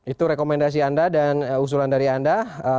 itu rekomendasi anda dan usulan dari anda